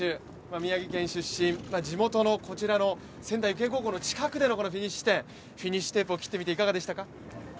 宮城県出身、地元のこちらの仙台育英高校での近くでのフィニッシュ点、フィニッシュテープを切ってみて、いかがでしたか？